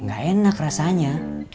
gak enak rasanya